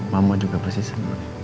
mama juga pasti seneng